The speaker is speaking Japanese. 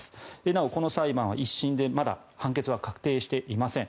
なおこの裁判は１審でまだ判決は確定していません。